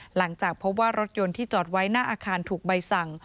หลังจากพบว่ารถยนต์ที่จอดไว้หน้าอาคารถูกใบสั่ง